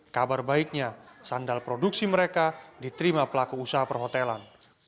kabar baiknya sandal produksi mereka diterima pelaku usaha perhotelan